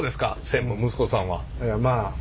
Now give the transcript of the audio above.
専務息子さんは。